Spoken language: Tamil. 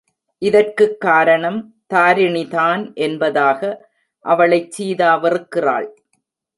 இதற்குக் காரணம் தாரிணிதான் என்பதாக அவளைச் சீதா வெறுக்கிறாள்.